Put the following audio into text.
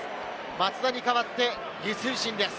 松田に代わって李承信です。